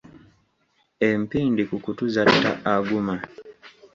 Empindi ku kutu zatta Aguma.